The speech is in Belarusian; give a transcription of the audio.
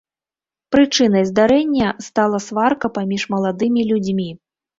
Прычынай здарэння стала сварка паміж маладымі людзьмі.